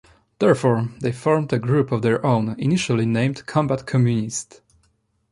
Therefore, they formed a group of their own, initially named Combat Communiste.